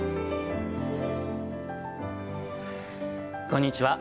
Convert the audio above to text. こんにちは。